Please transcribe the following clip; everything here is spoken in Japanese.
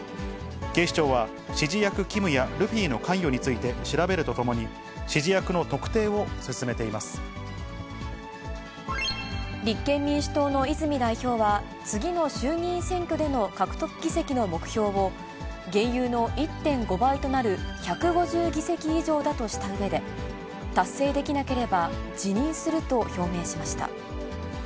警視庁は、指示役、キムや、ルフィの関与について調べるとともに、指示役の特定を進めていま立憲民主党の泉代表は、次の衆議院選挙での獲得議席の目標を、現有の１．５倍となる１５０議席以上だとしたうえで達成できなければ辞任すると表明しました。